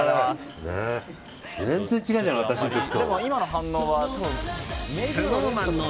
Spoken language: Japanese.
全然違うじゃない私の時と。